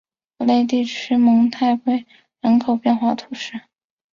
福雷地区蒙泰圭人口变化图示